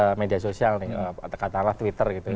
di media sosial nih katakanlah twitter gitu